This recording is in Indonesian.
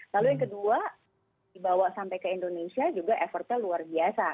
lalu yang kedua dibawa sampai ke indonesia juga effortnya luar biasa